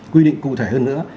quy định cụ thể hơn nữa